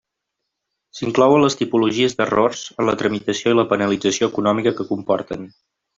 S'hi inclouen les tipologies d'errors en la tramitació i la penalització econòmica que comporten.